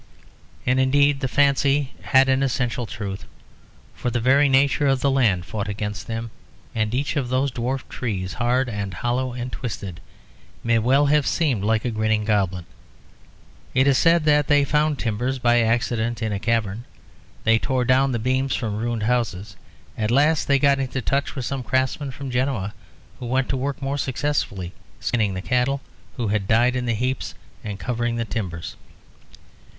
And indeed the fancy had an essential truth, for the very nature of the land fought against them; and each of those dwarf trees, hard and hollow and twisted, may well have seemed like a grinning goblin. It is said that they found timbers by accident in a cavern; they tore down the beams from ruined houses; at last they got into touch with some craftsmen from Genoa who went to work more successfully; skinning the cattle, who had died in heaps, and covering the timbers.